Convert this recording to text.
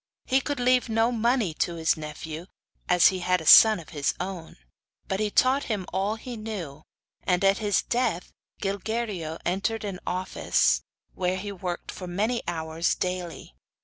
He could leave no money to his nephew, as he had a son of his own; but he taught him all he knew, and at his dead Gilguerillo entered an office, where he worked for many hours daily.